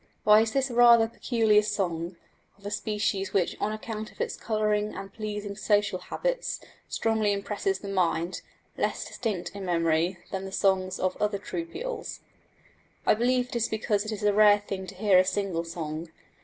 Why is this rather peculiar song, of a species which on account of its colouring and pleasing social habits strongly impresses the mind, less distinct in memory than the songs of other troupials? I believe it is because it is a rare thing to hear a single song.